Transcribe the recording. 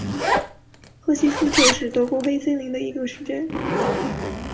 赫希斯特是德国黑森州的一个市镇。